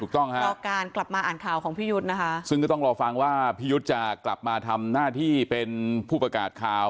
ต้องรอการกลับมาอ่านข่าวของพี่ยุทธ์นะคะซึ่งก็ต้องรอฟังว่าพี่ยุทธ์จะกลับมาทำหน้าที่เป็นผู้ประกาศข่าว